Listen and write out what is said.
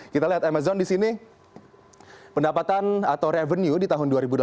kita lihat amazon di sini pendapatan atau revenue di tahun dua ribu delapan belas